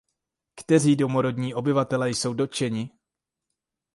Kteří domorodí obyvatelé jsou dotčeni?